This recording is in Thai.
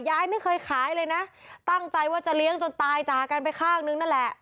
ยายไม่เคยขายเลยนะตั้งใจว่าจะเลี้ยงจนตายจากกันไปข้างนึงนั่นแหละ